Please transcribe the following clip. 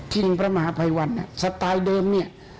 ทิ้งพระมหาไพรวัลสไตล์เดิมเนี่ย